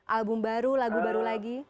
album baru lagu baru lagi